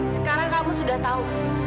sekarang kamu sudah tahu